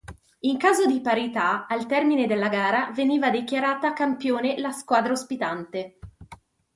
In caso di parità al termine della gara veniva dichiarata campione la squadra ospite.